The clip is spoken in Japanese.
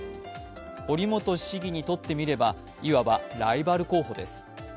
堀本市議にとってみれば、いわばライバル候補です。